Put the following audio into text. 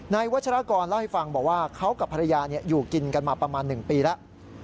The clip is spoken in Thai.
วัชรากรเล่าให้ฟังบอกว่าเขากับภรรยาอยู่กินกันมาประมาณ๑ปีแล้ว